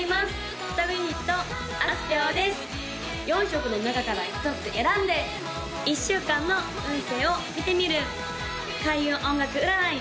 ４色の中から１つ選んで１週間の運勢を見てみる開運音楽占い